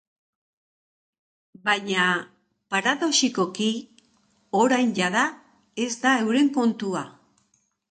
Baina, paradoxikoki, orain jada ez da euren kontua.